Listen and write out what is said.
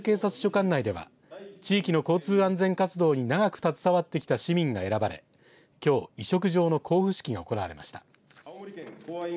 管内では地域の交通安全活動に長く携わってきた市民が選ばれきょう委嘱状の交付式が行われました。